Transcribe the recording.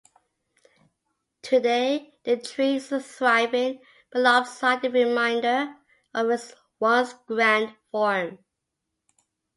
Today the tree is a thriving, but lopsided reminder of its once-grand form.